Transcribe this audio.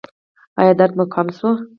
ایا درد مو کم شو؟